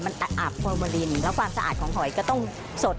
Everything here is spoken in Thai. มันอาบโครโมลินแล้วความสะอาดของหอยก็ต้องสด